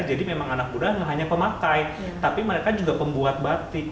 jadi memang anak muda tidak hanya pemakai tapi mereka juga pembuat batik